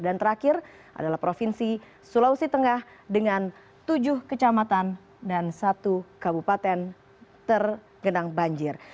dan terakhir adalah provinsi sulawesi tengah dengan tujuh kecamatan dan satu kabupaten terendam banjir